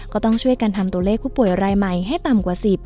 ก็ต้องช่วยกันทำตัวเลขผู้ป่วยรายใหม่ให้ต่ำกว่า๑๐